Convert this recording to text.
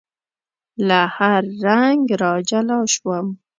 له هر رنګ را جلا شوم